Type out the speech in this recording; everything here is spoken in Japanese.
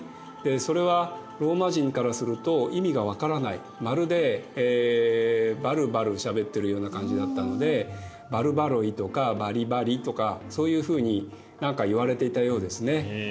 それはローマ人からすると意味がわからないまるでバルバルしゃべってるような感じだったのでバルバロイとかバリバリとかそういうふうに何かいわれていたようですね。